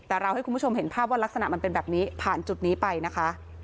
แต่เราให้คุณผู้ชมเห็นภาพว่ารักษณะมันเป็นแบบนี้ผ่านจุดนี้ไปนะคะ